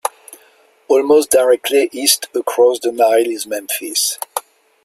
Almost directly east across the Nile is Memphis.